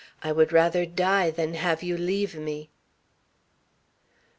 I would rather die than have you leave me!"